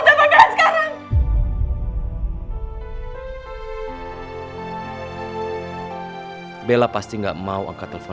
kalau masih nonton sebitumen dulu hanya kemudian